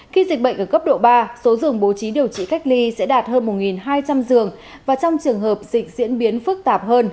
khi dịch bệnh ở cấp độ ba số giường bố trí điều trị cách ly sẽ đạt hơn một hai trăm linh giường và trong trường hợp dịch diễn biến phức tạp hơn